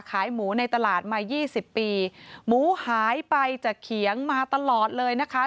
ขายหมูในตลาดมายี่สิบปีหมูหายไปจากเขียงมาตลอดเลยนะคะ